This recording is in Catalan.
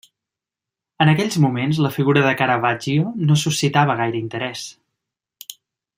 En aquells moments la figura de Caravaggio no suscitava gaire interès.